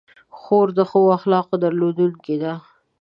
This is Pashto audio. خور د ښو اخلاقو درلودونکې ده.